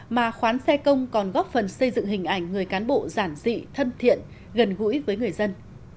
mà khoán xe công còn góp phần xây dựng hình ảnh người cán bộ giản dị thân thiện gần gũi với người dân